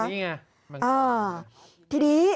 นี่เซอร์ตัวนี้ไง